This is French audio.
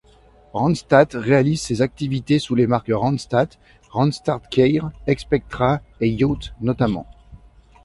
Randstad réalise ces activités sous les marques Randstad, Randstad Care, Expectra et Yacht notamment.